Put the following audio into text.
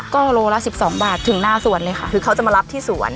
ก็โลละ๑๒บาทถึงหน้าสวนเลยค่ะคือเขาจะมารับที่สวน